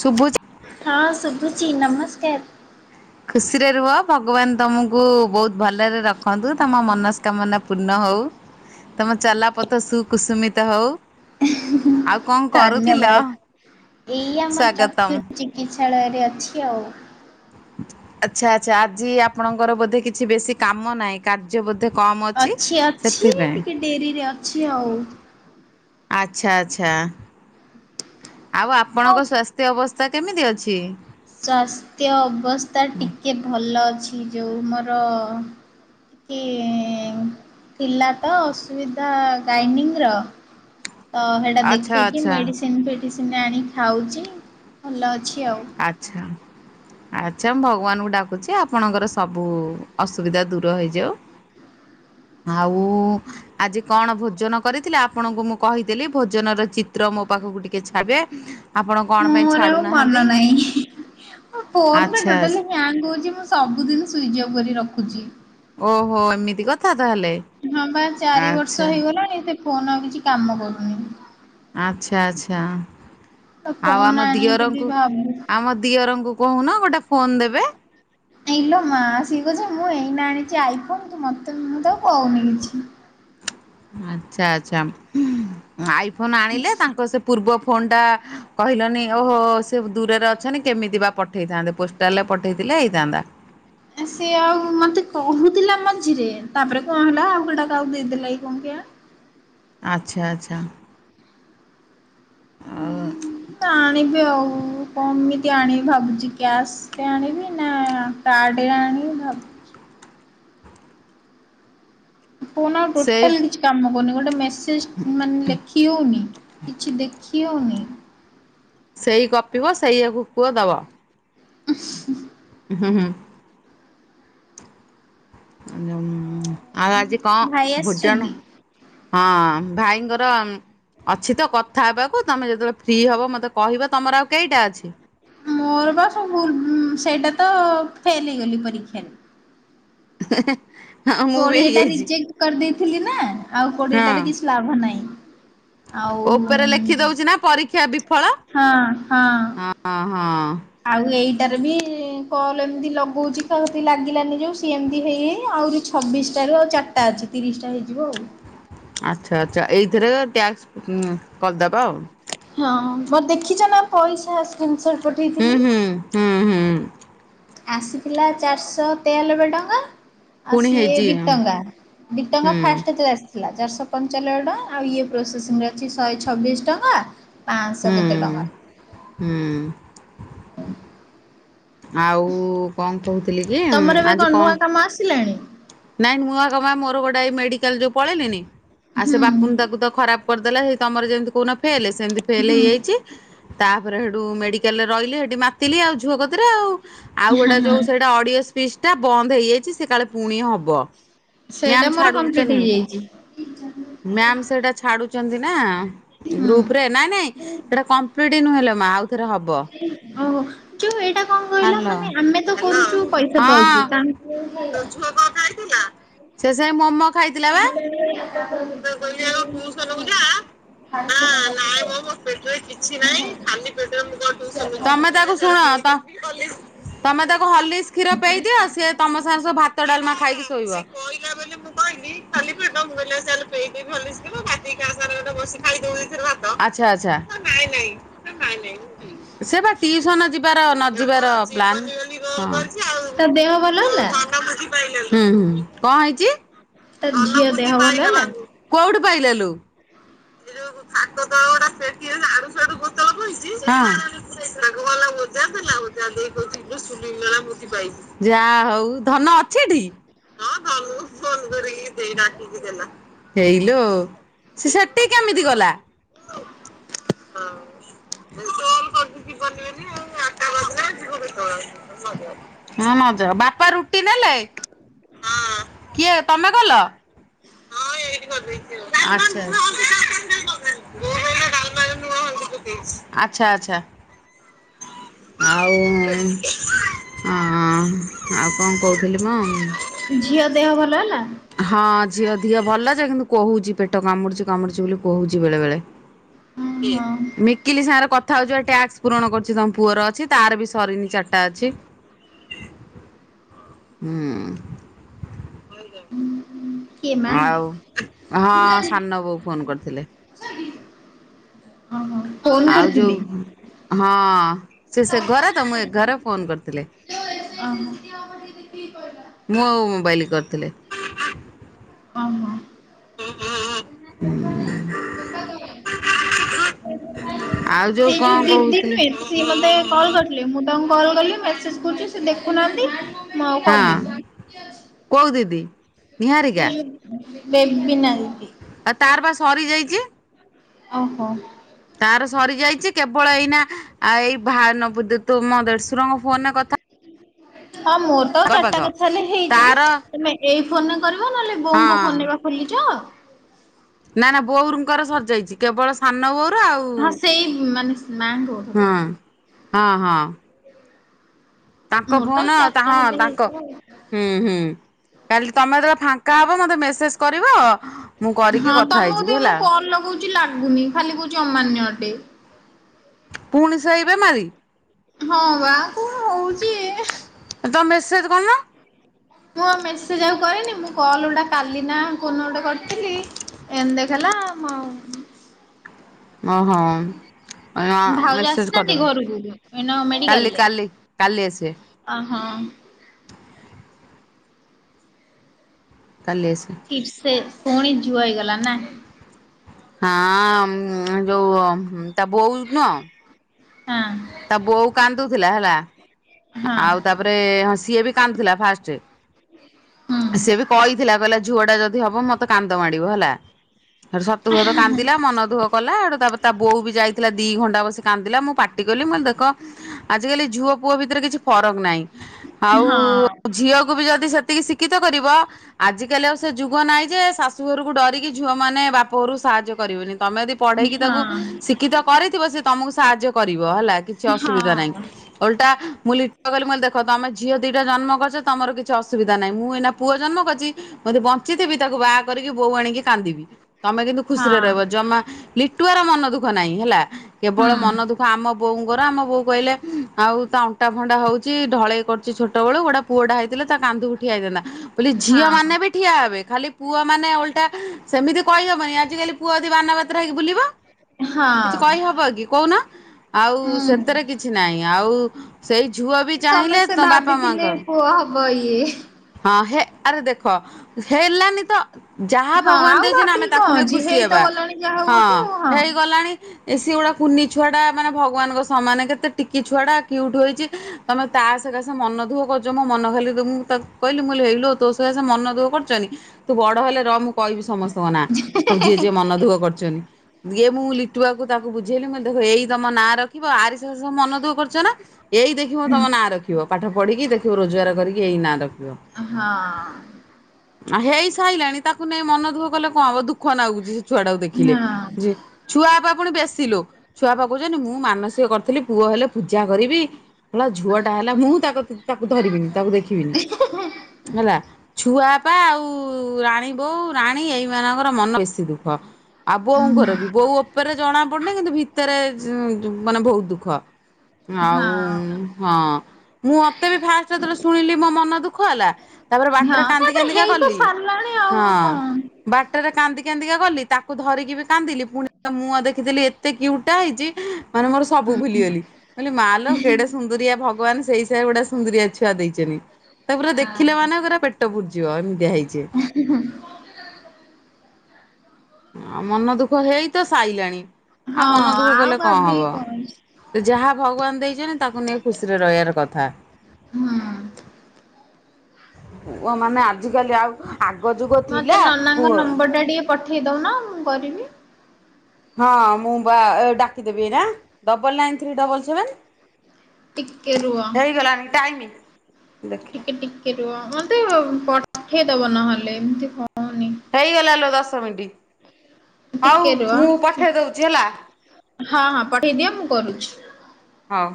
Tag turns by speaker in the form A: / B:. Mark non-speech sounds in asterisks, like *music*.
A: ଶୁଭୁଛି।
B: ହଁ ଶୁଭୁଛି ନମସ୍କାର।
A: ଖୁସିରେ ରୁହ। ଭଗବାନ ତମକୁ ବହୁତ ଭଲରେ ରଖନ୍ତୁ। ତମ ମନସ୍କାମନା ପୂର୍ଣ୍ଣ ହଉ। ତମ ଚଲା ପଥ ସୁକୁସୁମିତ ହଉ। ଆଉ କଣ କରୁଥିଲ।
B: ଧନ୍ୟବାଦ। ଏଇ ଆମ ଚକ୍ଷୁ
A: ସ୍ଵାଗତମ।
B: ଚିକିତ୍ସାଳୟରେ ଅଛି ଆଉ।
A: ଆଚ୍ଛା ଆଚ୍ଛା ଆଜି ଆପଣଙ୍କର ବୋଧେ କିଛି ବେଶୀ କାମ ନାହିଁ। କାର୍ଯ୍ୟ ବୋଧେ କମ୍ ଅଛି
B: ଅଛି
A: ସେଥିପାଇଁ।
B: ଟିକେ ଡେରିରେ ଅଛି ଆଉ।
A: ଆଚ୍ଛା ଆଚ୍ଛା। ଆଉ ଆପଣଙ୍କ ସ୍ୱାସ୍ଥ୍ୟ ଅବସ୍ଥା କେମିତି ଅଛି।
B: ସ୍ୱାସ୍ଥ୍ୟ ଅବସ୍ଥା ଟିକିଏ ଭଲ ଅଛି। ଯଉ ମୋର। କି। ଥିଲା ତ ଅସୁବିଧା ଗାଇନିଂ ର। ତ ହେଇଟା
A: ଆଚ୍ଛା
B: ଦେଖେଇକି
A: ଆଚ୍ଛା
B: ମେଡ଼ିସିନ ଫେଡିସିନ ଆଣିକି ଖାଉଛି ଭଲ ଅଛି ଆଉ।
A: ଆଚ୍ଛା। ଆଚ୍ଛା ମୁଁ ଭଗବାନଙ୍କୁ ଡାକୁଛି ଆପଣଙ୍କର ସବୁ ଅସୁବିଧା ଦୂର ହେଇଯାଉ।
B: ହ
A: ଆଉ। ଆଜି କଣ ଭୋଜନ କରିଥିଲେ ଆପଣଙ୍କୁ ମୁଁ କହିଥିଲି ଭୋଜନର ଚିତ୍ର ମୋ ପାଖକୁ ଟିକେ ଛାଡିବେ। ଆପଣ କଣ ପାଇଁ
B: ମୋର ଆଉ ମନ
A: ଛାଡୁନାହାନ୍ତି।
B: ନାହିଁ। ମୋ ଫୋନରେ ଟୋଟାଲି
A: ଆଚ୍ଛା,
B: ହ୍ୟାଙ୍ଗ ହଉଛି ମୁଁ ସବୁିନ ସୁଇଚ୍ ଅଫ୍ କରି ରଖୁଛି।
A: ଓହୋ ଏମିତି କଥା ତାହେଲେ।
B: ହଁ ବା ଚାରି ବର୍ଷ
A: ଆଚ୍ଛା
B: ହେଇଗଲାଣି। ସେ ଫୋନ ଆଉ କିଛି କାମ କରୁନି।
A: ଆଚ୍ଛା ଆଚ୍ଛା
B: ତ
A: ଆଉ
B: ଫୋନ
A: ଆମ
B: ଆଣିବି ବୋଲି
A: ଦିଅରଙ୍କୁ।
B: ଭାବୁ
A: ଆମ ଦିଅରଙ୍କୁ। କହୁନ ଗୋଟେ ଫୋନ ଦେବେ।
B: ହଁ। ନାଇଲୋ ମା ସିଏ କହୁଛି ମୁଁ ଏଇନା ଆଣିଛି ଆଇଫୋନ। ତୁ ମତେ ମୁଁ ତାକୁ କହୁନି କିଛି।
A: ଆଚ୍ଛା ଆଚ୍ଛା। ଆଇଫୋନ ଆଣିଲେ ତାଙ୍କ ସେ ପୂର୍ବ ଫୋନ ଟା କହିଲନି ଓହୋ ସେ ଦୂରରେ ଅ ଛନ୍ତି କେମିତି ବା ପଠେଇଥାନ୍ତେ ପୋଷ୍ଟାଲରେ ପଠେଇଥିଲେ ହେଇଥାନ୍ତା।
B: ହ *unintelligible* ଏଁ ସେ ଆଉ ମତେ କହୁଥିଲା ମଝିରେ ତାପରେ କଣ ହେଲା ଆଉ ସେଇଟା କାହାକୁ ଦେଇଦେଲା କି କଣ କେଆଣି।
A: ଆଚ୍ଛା ଆଚ୍ଛା।
B: ହୁଁ ଆଣିବି ଆଉ କମିତି ଆଣିବି ଭାବୁଛି କ୍ୟାସ୍ ସ୍ ରେ ଆଣିବି ନା କାର୍ଡରେ ଆଣିବି ଭାବୁ ଫୋନ ଆଉ
A: ସେ
B: ଟୋଟାଲ କିଛି କାମ କରୁନି ଗୋଟେ ମେସେଜ ମାନେ ଲେ ଖି ହୋଉନି କିଛି ଦେଖି ହୋଉନି।
A: ସେଇ ଗପିବ ସେଇଆକୁ କୁହ ଦବ।
B: ଉଁହ୍ ହୁଁ।
A: ହୁଁ ହୁଁ। ଆଉ ଯୋଉଁ ଆଉ ଆଜି କଁ
B: ଭାଇ
A: ଭୋଜନ?
B: ଆସିଛନ୍ତି?
A: ହଁ ଭାଇଙ୍କର ଅମ୍ ଅଛି ତ କଥା ହେବାକୁ ତମେ ଯେତେବେଳେ ଫ୍ରି ହେବ ମୋତେ କହିବ ତମର ଆଉ କେଇଟା ଅଛି?
B: ମୋର ବା ସବୁ ଗୁଁ ସେଇଟା ତ ଫେଲ ହେଇଗଲି ପରୀକ୍ଷାରେ।
A: ହଁ ମୁଁ ବି
B: କୋଡିଏଟା
A: ହେଇଯାଇଛି।
B: ରିଜେକ୍ଟ କରିଦେଇଥିଲି ନା ଆଉ କୋଡ଼ିଏ
A: ହଁ
B: ଟାରେ କିଛି ଲାଭ ନାହିଁ। ଆଉଁ
A: ଉପରେ ଲେଖି ଦଉଛି ନା ପରୀକ୍ଷା ଅଁ ହଁ।
B: ଆଉ ଏଇଟାରେ ବି କଲ୍ ଏମିତି ଲଗଉଛି କାହା କତିକି ଲାଗିଲାନି ଯୋଉ ସିଏ ଏମିତି ହେଇ ଆହୁରି ଛବିଶଟାରୁ ଆଉ ଚାର୍ ଟା ଅଛି ତିରିଶଟା ହେଇଯିବ ଆଉ।
A: ଆଚ୍ଛା ଆଚ୍ଛା ଏଇଥିରକ ଟ୍ୟାକ୍ସ ଉଁ କରିଦବ ଆଉ।
B: ହଁ ମୋର ଦେଖିଛ ନା ପଇସା ସ୍କ୍ରିନ୍ ସର୍ଟ
A: ହୁଁ
B: ପଠେଇଥିଲି?
A: ହୁଁ ହୁଁ ହୁଁ
B: ଆସିଥିଲା ଚାରିଶହ ତେୟାନବେ ଟଙ୍କା ଆଉ
A: ପୁଣି
B: ସିଏ
A: ହେଇଛି
B: ଦି ଟଙ୍କା। ଦି
A: ହୁଁ
B: ଟଙ୍କା ଫାଷ୍ଟ ଟା *unintelligible* ଆସିଥିଲା ଚାରିଶହ ପଞ୍ଚାଲବେ ଟଙ୍କା ଆଉ ଇଏ ପ୍ରୋସେସିଂ ଅଛି ଶହେ ଛବିଶ ଟଙ୍କା ପାଁସ
A: ହୁଁ
B: କେତେ ଟଙ୍କା।
A: ହୁଁ। ଆଉ କଣ କହୁଥିଲି କି ଉଁ
B: ତମର ଏବେ
A: ଆଜି କଣ
B: ନୂଆ କାମ ଆସିଲାଣି?
A: ନାଇଁ ମୁଁ *unintelligible* ମୋର ଗୋଟେ ଏଇ ମେଡିକାଲ ଯୋଉ ପଳେଇଲିନି ଆଉ ସେ
B: ହୁଁ
A: ବାପୁନ ତାକୁ ତ ଖରାପ କରି ଦେଲା ହେଇ ତମର ଯେମିତି କହୁନ ଫେଲେ ସେମିତି ଫେଲ
B: ହୁଁ
A: ହେଇଯାଇଛି ତାପରେ ହେଠୁ ମେଡିକାଲ ରେ ରହିଲି ହେଠି ମାତିଲିି ଆଉ ଝୁଅ କ ତିରେ ଆଉ ଆଉ
B: ହଁ
A: ଗୋଟା ଯୋଉ
B: ହଁ
A: ସେଇଟା ଅଡିଓ ସ୍ପିଚ୍ ଟା ବନ୍ଦ ହେଇଯାଇଛି ସେ କାଳେ ପୁଣି ହବ।
B: ସେଇଟା
A: ମ୍ୟାମ୍
B: ମୋର କମ୍ପ୍ଲିଟ
A: ଛାଡ଼ୁଚନ୍ତି
B: ହେଇଯାଇଛି
A: ମ୍ୟାମ୍ ସେଇଟା ଛାଡ଼ୁଛନ୍ତି ନା।
B: ହୁଁ
A: ଗ୍ରୁପରେ ନାଇଁ ନାଇଁ ସେଟା କମ୍ପ୍ଲିଟ ନୁହେଲୋ ମା ଆଉ ଥରେ ହବ।
B: ଓହୋ ଯୋଉ ଏଇଟା କଣ କହିଲ
A: ହ୍ୟାଲୋ
B: ମାନେ ଆମେ ତ କରୁଛୁ ପଇସା
A: ହଁ
B: ପାଉଛୁ ତାନ୍
A: ସେ ସେଇ ମୋମୋ ଖାଇଥିଲା ବା। ମୁଁ ତାକୁ କହିଲି ଆଉ ଟୁସନ କୁ ଯା ନା ନାଇଁ ମ ମୋ
B: ସେ
A: ପେଟରେ କିଛି
B: ଖ *inaudible*
A: ତମେ ତାକୁ ଶୁଣ ତ ତମେ ତାକୁ ହଲିସ୍ କ୍ଷୀର ପେଇଦିଅ ସେ ତମ ସାଙ୍ଗେ ସବୁ ଭାତ ଡାଲମା ଖାଇକି ଶୋଇବ। ଆଚ୍ଛା ଆଚ୍ଛା। ସେ ବା ଟିଉସନ ଯିବାର ନ ଯିବାର ପ୍ଲାନ୍। ହଁ।
B: ତା ଦେହ ଭଲ ହେଲା
A: ହୁଁ ହୁଁ କଁ ହେଇଛି?
B: ତା
A: ନନା
B: ଝିଅ ଦେହ
A: ମୁଦି
B: ଭଲ
A: ପାଇଲା
B: ହେଲା
A: କୋଉଠି ପାଇଲାଲ? ଏଇ ଯୋଉ ଥାତ ତଳୁ ଗୋଟା ପେଟି ଆଡ଼ୁ ସୁ ଆଡ଼ୁ ବୋତଲ ପଇଚି ହଁ ସେ ସେ ରାଘବାଲା ଓଜା ଦେଲା ଓଜା ଦେଇ କହୁଚି ଇଲୋ ସୁନିଲି ନନା ମୁଦି ପାଇଚି। ଯାହା ହଉ ଧନ ଅଛି ଏଠି ହଁ ଧନକୁ ଫୋନ୍ ଖରିକି ଦେଇ ଡାକିକି ଦେଲା। ଏଇଲ ସେ ସେଠିକି କେମିତି ଗଲା? ଫୋନ୍ କରିଛି
B: *inaudible*
A: ଯିବନି ହଁ ନଯାଉ ବାପା ରୁଟି ନେଲେ?
B: *inaudible*
A: କିଏ ତମେ କଲ? ହଁ ଏଇଠି ଆଚ୍ଛା ଆଚ୍ଛା *unintelligible* *unintelligible* ଆଚ୍ଛା ଆଚ୍ଛା ଆଉ ହଁ ଆଉ କଁ କଉଥିଲି ମ
B: ଝିଅ ଦେହ ଭଲ ହେଲା?
A: ହଁ ଝିଅ ଦେହ ଭଲଯେ, କିନ୍ତୁ କହୁଚି ପେଟ କାମୁଡ଼ିଚି କାମୁଡ଼ିଚି ବୋଲି କହୁଚି ବେଳେବେଳେ। କିଏ
B: ଓହୋ
A: ନି ଟିକିଲି ସାଙ୍ଗରେ କଥା ହଉଚିପା ଟ୍ୟାକ୍ସ ପୂରଣ କରୁଚି ତମ ପୁଅର ଅଛି ତାରବି ସରିନି ଚାରିଟା ଅଛି।
B: *inaudible*
A: ହୁଁ।
B: *unintelligible*
A: ଆଉ ହଁ ସାନ ବୋଉ ଫୋନ୍ କରିଥିଲେ।
B: *inaudible* ହଁ ହଁ
A: ଆଉ ଯୋଉ ହଁ ସେ ଘରେତ ମୁଁ ଏଘରେ ଫୋନ୍ କରିଥିଲେ।
B: *unintelligible*
A: ମୋ ମୋବାଇଲକି କରିଥିଲେ।
B: ଅଁ ହଁ
A: ଆଉ
B: *unintelligible* ସେଇ ଯୋଉ
A: କଣ
B: ଦିଦି
A: କହୁଥିଲେ
B: ନୁହେଁ ସିଏ ମତେ କଲ୍ କରିଥିଲେ, ମୁଁ ତାଙ୍କୁ କଲ୍ କଲି ମେସେଜ୍ କରୁଚି ସେ ଦେଖୁନାହାନ୍ତି। ମୁଁ ଆଉ
A: ହଁ
B: କଲିନି
A: କୋଉ ଦିଦି? ନିହାରିକା
B: ସେଇ ବେବିିନା ଦିଦି।
A: ଆଉ ତାରବା ସରିଯାଇଚି।
B: ଓହୋ।
A: ତାର ସରି ଯାଉଚି କେବଳ ଏଇନା ଏଇ ଭା ତମ ଦେଢଶୁରଙ୍କ ଫୋନରେ କଥା
B: ହଁ ମୋର ଆଉ
A: ପାଖାପାଖ
B: ଚାରିଟା କଥା ହେଲେ ହେଇଯିବ
A: ତାର
B: ତମେ ଏଇ ଫୋନରେ କରିବ ନହେଲେ
A: ହଁ
B: ବୋଉଙ୍କ ଫୋନରେ ବା ଖୋଲିଚ?
A: ନା ନା ବୋଉରୁଙ୍କର ସରିଯାଇଚି। କେବଳ ସାନ ବୋଉର ଆଉ ହୁଁ,
B: ହଁ ସେଇ ମାନେ ମାଙ୍କ କଥା କହୁଛି
A: ହଁ ହଁ। ତାଙ୍କ
B: ମୋର ତ ଆଉ
A: ଫୋନ୍ ହଁ
B: ଚାରିଟା ହେଲେ
A: ତାଙ୍କ
B: ହେଇଯିବ ଆଉ।
A: ହୁଁ ହୁଁ। କାଲି ତମେ ଯେତେବେଳେ ଫାଙ୍କା ହବ ମୋତେ ମେସେଜ୍ କରିବ ମୁଁ କରିକି କଥା ହେଇଯିବି ହେଲା।
B: କିଛି ଲାଗୁନି ଖାଲି କଉଚି ଅମାନ୍ୟ ଅଟେ।
A: ପୁଣି ସେଇ ବେମାରି
B: ହଁବା କଣ ହଉଚି ଇଏ।
A: ତମେ ମେସେଜ୍ କରୁନ।
B: ମୁଁ ଆଉ ମେସେଜ୍ ଆଉ କରିନି, ମୁଁ କଲ୍ ଗୋଟେ କାଲିନା କୋଉ ଦିନ ଗୋଟେ କରିଥିଲି ଏନ୍ଦି ଦେଖେଇଲା ଆଉ
A: ଅ ହଁ। *unintelligible*
B: ଭାଉଜ
A: ମେସେଜ୍
B: ଆସିନାହାନ୍ତି
A: କରିଦବ,
B: ଘରକୁ ଏଇନା
A: କାଲି
B: ମେଡିକାଲରେ।
A: କାଲି କାଲି ଆସିବେ।
B: ଅ ହଁ।
A: କାଲି ଆସିବେ।
B: ଇପ୍ସେ ପୁଣି ଝୁଅ ହେଇଗଲା ନା?
A: ହାଁ ଯୋଉ ତା ବୋଉ ନୁହଁ
B: ହଁ।
A: ତା ବୋଉ କାନ୍ଦୁଥିଲା ହେଲା,
B: ହଁ
A: ଆଉ ତାପରେ ସିଏ ବି କାନ୍ଦୁଥିଲା ଫାଷ୍ଟେ।
B: ହୁଁ
A: ସେ ବି କହିଥିଲା କହିଲା ଝୁଅଟା ଯଦି ହବ, ମତେ କାନ୍ଦ ମାଡ଼ିବ ହେଲା। ସତକୁ ସତ କାନ୍ଦିଲା ମନ ଦୁଖ କଲା ହେଠୁ ତା ତା ବୋଉ ବି ଯାଇଥିଲା ଦି ଘଣ୍ଟା ବସି କାନ୍ଦିଲା ମୁଁ ପାଟି କଲି ମୁଁ କହିଲି ଦେଖ ଆଜିକାଲି ଝୁଅ ପୁଅ ଭିତରେ କିଛି ଫରକ ନାହିଁ। ଆଉ
B: ହଁ
A: ଝିଅକୁ ବି ଯଦି ସେତିକି ଶିକ୍ଷିତ କରିବ ଆଜ କାଲି ଆଉ ସେ ଯୁଗ ନହିଁ ଯେ ଶାଶୁ ଘରକୁ ଡରିକି ଝିଅ ମାନ ବା ମୋରୁ ସାହାଯ୍ୟ କରିବନି ତମେ ଯଦି ପଢେଇକି ତାକୁ
B: ହଁ
A: ଶିକ୍ଷିତ କରିଥିବ ସେ ତମକୁ ସାହାଯ୍ୟ କରିବ ହେଲା କିଛି ଅସୁବିଧା ନାହିଁ
B: ହଁ।
A: ଓଲଟା ମୁଁ କହିଲି ଦେଖ ତମେ ଝିଅ ଦିଟା ଜନ୍ମ କରିଛ ତମର କିଛି ଅସୁବିଧା ନାହିଁ ମୁଁ ଏଇନା ପୁଅ ଜନ୍ମ କରିଛି ମୁ ଯଦି ବଞ୍ଚିଥିବି ତାକୁ ବାହା କରିକି ବୋହୁ ଆଣିକି କାନ୍ଦିବି। ତମେ କିନ୍ତୁ
B: ହଁ
A: ଖୁସିରେ ରହିବ ଜମା ଲିଟୁଆର ମନ ଦୁଃଖ ନାହିଁ ହେଲା କେବଳ
B: ହୁଁ
A: ମନ ଦୁଃ ଆମ ବୋଉଙ୍କର ଆମ ବୋଉ କହିଲେ ଆଉ ତା ଅଣ୍ଟା ଫାଣ୍ଟା ହଉ ଢଳେଇ କରୁଛି ଛୋଟ ବେଳୁ ଗୋଟେ ପୁଅଟା ହେଇଥିଲେ ତା କାନ୍ଦକୁ ଠିଆ ହେଇଥାନ୍ତା ମୁଁ କହିଲି ଝିଅ ମାନେ ବି
B: ହଁ
A: ଠିଆ ହେବେ ଖାଲି ପୁଅ ମାନେ ଓଲଟା ସେମିତି କହିହବନି ଆଜିିକାଲି ପୁଅ ଯଦି ବାନାବାତେରେ ହେଇକି ବୁଲିବ।
B: ହଁ
A: କିଛି କହିହବ କି କହୁନା ଆଉ
B: ହୁଁ।
A: ସେଥିରେ କିଛି ନାହିଁ ଆଉ ସେଇ ଝୁଅ ବି ଚାହିଁଲେ ତ ବାପା ମାଙ୍କ
B: କଇ
A: ହଁ ହେ ଆରେ ଦେଖ ହେଲାନି ତ ଯାହା
B: ହଁ
A: ଭଗବାନ
B: ଆଉ
A: ଦେଇଛନ୍ତି ଆମେ
B: ଭାବିକି
A: ତାକୁ
B: କଣ
A: ନେଇ
B: ଅଛି
A: ଖୁସି
B: ହେଇ ତ
A: ହେବା
B: ଗଲାଣି ଯାହା ହଉ
A: ହଁ
B: ଗୋଟେ ଆଉ ହଁ।
A: ହେଇଗଲାଣି ଏ ସେଗୁଡା କୁନି ଛୁଆ ଟା ମାନେ ଭଗବାନଙ୍କ ସମାନେ କେତେ ଟିକି ଛୁଆ ଟା କ୍ୟୁଟ୍ ହେଇଛି ତମେ ତା ସକସେ ମନ ଦୁଃଖ କରୁଛ ମୋ ମନ ଖାଲି ତକୁ ତାକୁ କହିଲି ହେଇଲୋ ତୋ ସକାସେ ମନ ଦୁଖ କରିଛନ୍ତିି। ତୁ ବଡ ହେଲେ ର ମୁଁ କହିବି ସମସ୍ତଙ୍କ ନା ସବୁ ଯିଏ ଯିଏ ମନ ଦୁଃଖ କରୁଛନ୍ତି। ଇଏ ମୁଁ ଲିଟୁଆକୁ ତାକୁ ବୁଝେଇଲି ଦେଖ ଏଇ ତମ ନାଁ ରଖିବ ଆରି ସକାଶେ ସବୁ ମନ ଦୁଖ କରୁଛ ନା? ଏଇ ଦେଖିବ ତମ ନାଁ ରଖିବ ପାଠ ପଢ଼ିକି ଦେଖିବ ରୋଜଗାର କରିକି ଏଇ ନାଁ ରଖିବ।
B: ହଁ।
A: ଆ ହେଇ ସାଇଲାଣି ତାକୁ ନେଇ ମନ ଦୁଃଖ କଲେ କଣ ହବ ଦୁଃଖ ନାଗୁଛି ସେ ଛୁଆ ଟାକୁ ଦେଖିଲେ।
B: ହଁ
A: ଜି ଛୁଆପ ପୁଣି ବେଶୀ ଲୋ ଛୁଆପ କହୁଛନ୍ତିଛନ୍ତି ମୁଁ ମାନସିକ କରିଥିଲି ପୁଅ ହେଲେ ପୂଜା କରିବି। ହେଲା ଝୁଅଟା ହେଲା ମୁଁ ତା ତାକୁ ଧରିବିନି ତାକୁ ଦେଖିବିନି ହେଲା ଛୁଆପା ଆଉ ରାଣୀ ବୋଉ ରାଣୀ ଏଇ ମାନଙ୍କର ମନ ବେଶୀ ଦୁଃଖ। ଆଉ
B: ଉଁ
A: ବୋଉଙ୍କର ବି ବୋଉ ଉପରେ ଜଣା ପଡୁନି କିନ୍ତୁ ଭିତରେ ମାନେ ବହୁତ ଦୁଃଖ। ଆଉ
B: ହଁ।
A: ହଁ ମୁଁ ମତେ ବି ଫାଷ୍ଟ ଯେତେବେଲେ ଶୁଣିଲି ମୋ ମନ ଦୁଃଖ ହେଲା। ତାପରେ ବାଟରେ
B: ହଁ
A: କାନ୍ଦି
B: ତାପରେ
A: କାନ୍ଦିକା
B: ହେଇ ତ
A: ଗଲି
B: ସାରିଲାଣି ଆଉ
A: ହଁ।
B: କଣ
A: ବାଟରେ କାନ୍ଦି କାନ୍ଦିକା ଗଲି ତାକୁ ଧରିକି ବି କାନ୍ଦିଲି ପୁଣି ମୁହଁ ଦେଖିଥିଲି ଏତେ କ୍ୟୁଟୁ ଟା ହେଇଛି ମାନେ ମୋର ସବୁ ଭୁଲିଗଲି ମା ଲୋ କେଡେ ସୁନ୍ଦରିଆ ଭଗବାନ ସେଇ ସେ ଗୁଡା ସୁନ୍ଦରିଆ ଛୁଆ ଦେଇଛନ୍ତିି ତା ପୁରା
B: ଆ
A: ଦେଖିଲେ ମାନେ ପୁରା ପେଟ ଫୁୁରିଯିବ ଏମିତିଆ ହେଇଛି।
B: ହୁଁ ହୁଁ
A: ଆଉ ମନ ଦୁଃଖ ହେଇ ତ ସାରିଲାଣି
B: ହଁ
A: ଆଉ ମନ ଦୁଃଖ
B: ଆଉ
A: କଲେ କଣ
B: ଭାବିକି
A: ହବ।
B: ଅଛି
A: ଯାହା ଭଗବାନ ଦେଇଛନ୍ତି ତାକୁ ନେଇ ଖୁସିରେ ରହିବାର କଥା।
B: ହୁଁ।
A: ପୁଅ ମାନେ ଆଜିକାଲି ଆଉ ଆଗ ଯୁଗ
B: ମତେ
A: ଥିଲା
B: ନନାଙ୍କ
A: ପୁଅ
B: ନମ୍ବର ଟା ଟିକେ ପଠେଇ ଦଉ ନା ମୁଁ କରିବି
A: ହଁ ମୁଁ ଡାକିଦେବି ନା double nine three double seven
B: ଟିକେ ରୁହ।
A: ହେଇଗଲାଣି ଟାଇମ
B: ଟିକେ ଟିକେ ରୁହ ମତେ ପଠେଇଦବ ନହେଲେ ଏମତି ହଉନି।
A: ହେଇଗଲା ଲୋ ଦଶ ମିନିଟ୍
B: ଟିକେ
A: ହଉ
B: ରୁହ
A: ମୁଁ ପଠେଇ ଦଉଛି ହେଲା।
B: ହଁ ହଁ ପଠେଇଦିଅ ମୁଁ କରୁଛି।
A: ହଁ।